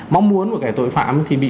mong muốn của cái tội phạm thì bị